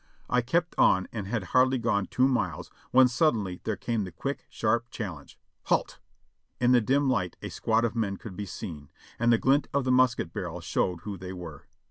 I kept on and had hardly gone two miles when suddenly there came the quick, sharp chal lenge : "Halt!" In the dim light a squad of men could be seen, and the glint of the musket barrel showed who they were.